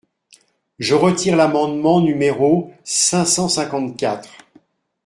Je retire l’amendement numéro cinq cent cinquante-quatre.